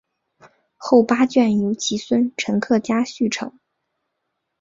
后八卷由其孙陈克家续成。